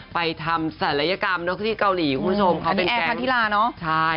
ไปทำศาลยกรรมนอกที่เกาหลีคุณผู้ชมเค้าเป็นแก่